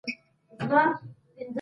دا لایحه باید په پښتو کي تشریح کړل سي.